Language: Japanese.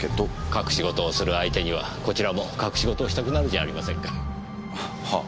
隠し事をする相手にはこちらも隠し事をしたくなるじゃありませんか。はあ。